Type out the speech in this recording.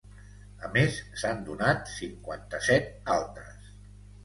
A més, s’han donat cinquanta-set altes.